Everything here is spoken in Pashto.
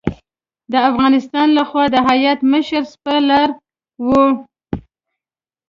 د افغانستان له خوا د هیات مشر سپه سالار و.